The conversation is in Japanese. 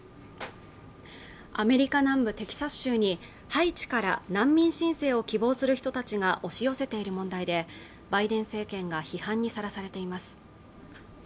アメリカ南部テキサス州にハイチから難民申請を希望する人たちが押し寄せている問題で、バイデン政権が批判にさらされています。